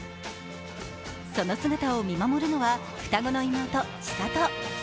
その姿を見守るのは双子の妹・千怜。